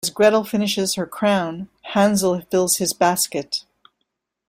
As Gretel finishes her crown, Hansel fills his basket.